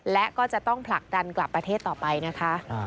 และก็จะต้องผลักดันกลับประเทศต่อไปนะคะ